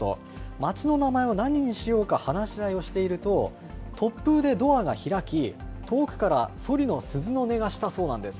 町の名前を何にしようか話し合いをしていると、突風でドアが開き、遠くからそりの鈴の音がしたそうなんです。